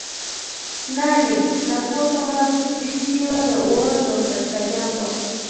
nane na kuwa kama visiwa vya uoto katika jangwa